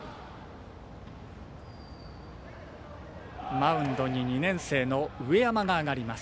マウンドに２年生の上山が上がります。